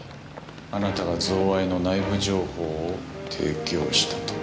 あなたが贈賄の内部情報を提供したと。